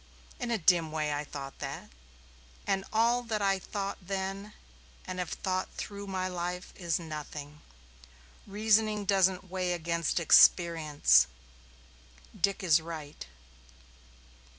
In a dim way I thought that. And all that I thought then, and have thought through my life, is nothing. Reasoning doesn't weigh against experience. Dick is right."